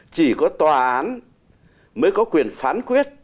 chỉ có tòa án mới có quyền phán quyết